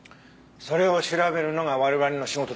それを調べるのが我々の仕事だ。